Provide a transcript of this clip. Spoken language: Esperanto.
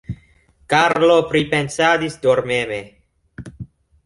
Karlo pripensadis dormeme.